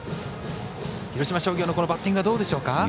広島商業のバッティングはどうでしょうか？